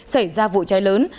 xảy ra vụ cháy lớn